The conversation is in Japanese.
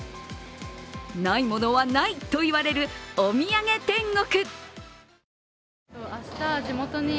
ないものはないと言われるお土産天国。